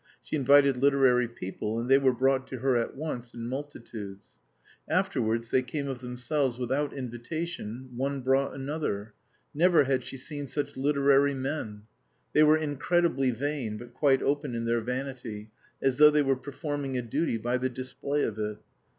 She invited literary people, and they were brought to her at once in multitudes. Afterwards they came of themselves without invitation, one brought another. Never had she seen such literary men. They were incredibly vain, but quite open in their vanity, as though they were performing a duty by the display of it.